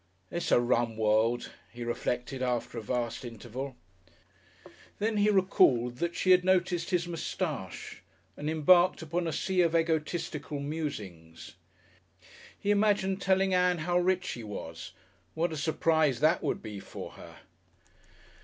"It's a rum world," he reflected after a vast interval. Then he recalled that she had noticed his moustache and embarked upon a sea of egotistical musings. He imagined himself telling Ann how rich he was. What a surprise that would be for her!